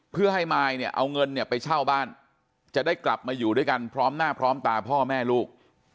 เพื่อให้มายเนี่ยเอาเงินเนี่ยไปเช่าบ้านจะได้กลับมาอยู่ด้วยกันพร้อมหน้าพร้อมตาพ่อแม่ลูก